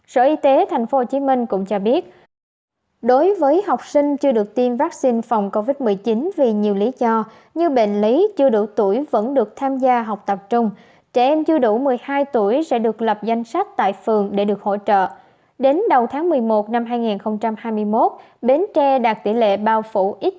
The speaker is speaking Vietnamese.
sở y tế thành phố hồ chí minh cũng cho biết